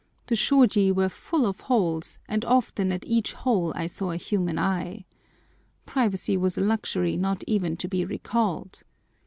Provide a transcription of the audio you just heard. The shôji were full of holes, and often at each hole I saw a human eye. Privacy was a luxury not even to be recalled.